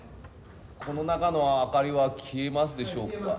この中の明かりは消えますでしょうか。